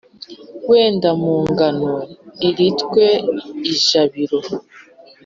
wenda mugano iritwe ijabiro.